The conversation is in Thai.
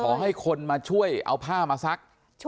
ขอให้คนมาช่วยเอาผ้ามาซัก